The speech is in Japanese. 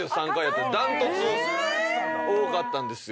断トツ多かったんですよ。